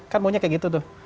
kan maunya kayak gitu tuh